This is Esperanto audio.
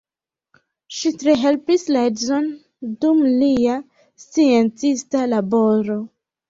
Ŝi tre helpis la edzon dum lia sciencista laboro.